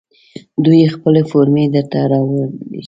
دوی خپله فورمې درته راوړي.